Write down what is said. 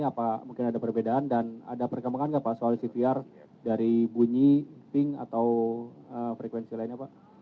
apa mungkin ada perbedaan dan ada perkembangan nggak pak soal cvr dari bunyi pink atau frekuensi lainnya pak